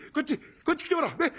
こっちへ来てもらおう」。